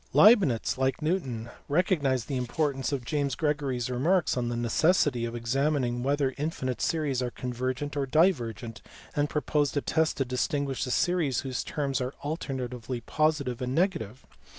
Leibnitz (like Newton) recognized the importance of James LEIBNITZ. 371 Gregory s remarks on the necessity of examining whether infinite series are convergent or divergent, and proposed a test to distinguish series whose terms are alternately positive and negative.